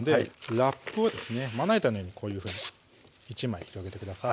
ラップをですねまな板の上にこういうふうに１枚広げてください